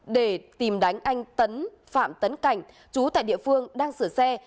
để tìm đánh anh tấn phạm tấn cảnh chú tại địa phương đang sửa xe